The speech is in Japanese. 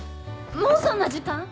もうそんな時間！